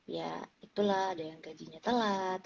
ya itulah ada yang gajinya telat